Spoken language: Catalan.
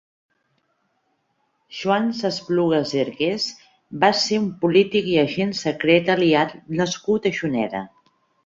Joan Sasplugas i Arqués va ser un polític i agent secret aliat nascut a Juneda.